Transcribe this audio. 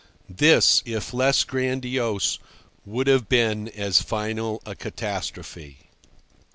This, if less grandiose, would have been as final a catastrophe.